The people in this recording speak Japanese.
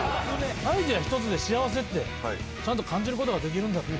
アイデア一つで幸せってちゃんと感じる事ができるんだという。